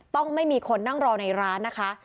ต้องไม่มีคนนั่งรอในร้านนะคะ